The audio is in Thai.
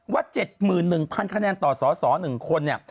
ว่า๗๑๐๐คะแนนต่อสส๑คนเนี่ย